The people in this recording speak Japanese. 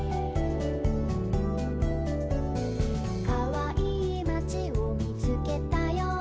「かわいいまちをみつけたよ」